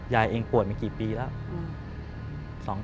ยายเองป่วยมากี่ปีแล้ว